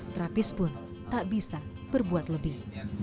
terapis pun tak bisa berbuat lebih